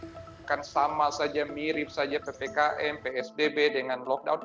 bukan sama saja mirip saja ppkm psbb dengan lockdown